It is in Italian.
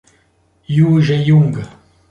You Je-Young